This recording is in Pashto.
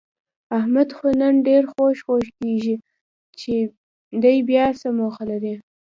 احمد خو نن ډېر خوږ خوږ کېږي، چې دی بیاڅه موخه لري؟